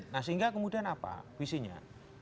nah sehingga kemudian apa visinya